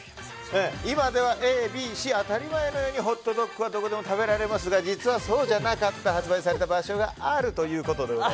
今ではＡ、Ｂ、Ｃホットドッグはどこでも食べられますが実はそうじゃなかった発売された場所があるということです。